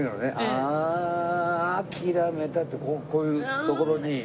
「あーあきらめた」ってこういうところに。